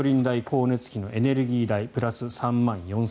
光熱費のエネルギー代プラス３万４０００円。